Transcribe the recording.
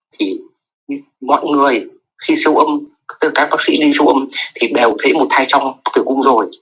thì mọi người khi siêu âm các bác sĩ đi xuồng thì đều thấy một thai trong tử cung rồi